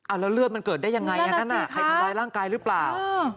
แล้วเลือดมันเกิดได้ยังไงอันนั้นใครทำร้ายร่างกายหรือเปล่า